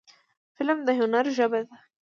فلم د هنر ژبه ده